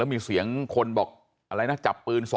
แล้วมีเสียงคนบอกแมดจับปืน๒ก็บอก